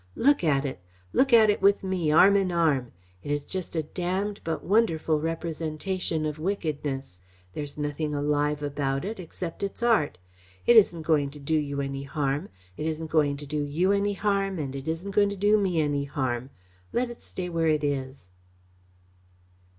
Look at it. Look at it with me, arm in arm. It is just a damned but wonderful representation of wickedness. There is nothing alive about it, except its art. It isn't going to do you any harm, and it isn't going to do me any harm. Let it stay where it is."